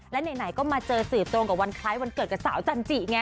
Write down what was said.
และไหนก็มาเจอสื่อตรงกับวันคล้ายวันเกิดกับสาวจันจิไง